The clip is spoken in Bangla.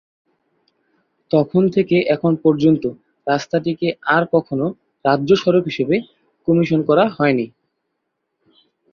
তখন থেকে এখন পর্যন্ত রাস্তাটিকে আর কখনো রাজ্য সড়ক হিসেবে কমিশন করা হয়নি।